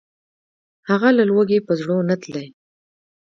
هغه له لوږي په زړو نتلي